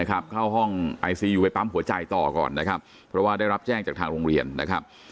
เข้าห้องไอซียูไปปั๊มหัวใจต่อก่อนนะครับเพราะว่าได้รับแจ้งจากทางโรงเรียนนะครับ